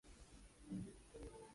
Se pueden establecer cinco alarmas.